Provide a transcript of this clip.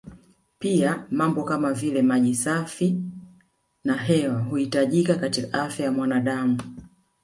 Pia mambo kama vile maji safi na hewa huhitajika katika afya ya mwanadam